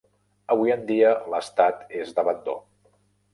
Avui en dia l'estat és d'abandó.